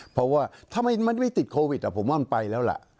เพราะว่าทำไมมันไม่ติดโควิดผมว่ามันไปแล้วล่ะ